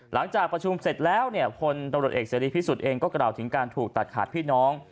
หลังจากประชุมเสร็จแล้วเนี่ยพลตำรวจเอกเสรีพิสุทธิ์เองก็กล่าวถึงการถูกตัดขาดพี่น้อง